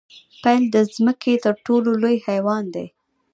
پیل د ځمکې تر ټولو لوی حیوان دی